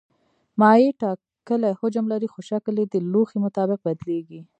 مایع ټاکلی حجم لري خو شکل یې د لوښي مطابق بدلېږي.